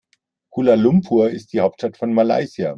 Kuala Lumpur ist die Hauptstadt von Malaysia.